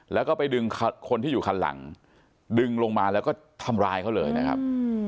แล้วก็ไปดึงคนที่อยู่คันหลังดึงลงมาแล้วก็ทำร้ายเขาเลยนะครับ